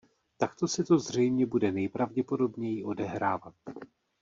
Takto se to zřejmě bude nejpravděpodobněji odehrávat.